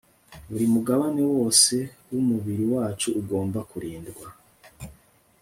buri mugabane wose w'umubiri wacu ugomba kurindwa